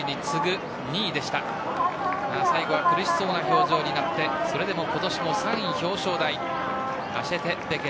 最後は苦しそうな表情でそれでも今年も３位表彰台。